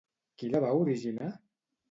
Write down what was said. Qui la va originar?